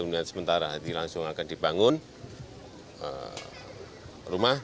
dan sementara nanti langsung akan dibangun rumah